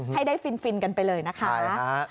ให้ได้ฟินกันไปเลยนะคะ